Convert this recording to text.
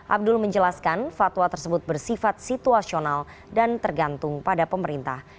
abdul menjelaskan fatwa tersebut bersifat situasional dan tergantung pada pemerintah